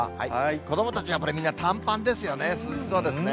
子どもたちはみんなこれ、短パンですよね、涼しそうですよね。